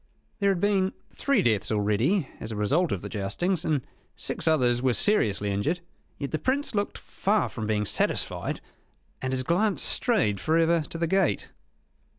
There had been three deaths already as a result of the joustings; and six others were seriously injured; yet the Prince looked far from being satisfied, and his glance strayed for ever to the gate.